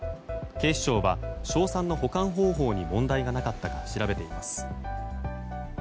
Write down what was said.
警視庁は硝酸の保管方法に問題がなかったか調べています。